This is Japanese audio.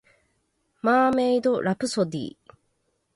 マーメイドラプソディ